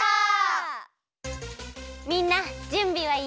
みんなじゅんびはいい？